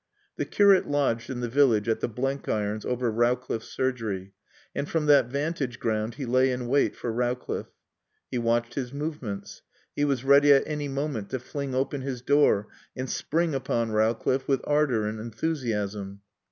The curate lodged in the village at the Blenkirons' over Rowcliffe's surgery, and from that vantage ground he lay in wait for Rowcliffe. He watched his movements. He was ready at any moment to fling open his door and spring upon Rowcliffe with ardor and enthusiasm.